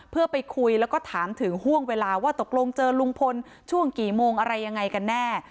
เพื่อไปคุยแล้วก็ถามถึงห่วงเวลาว่าตกลงเจอลุงพลช่วงกี่โมงอะไรยังไงกันแน่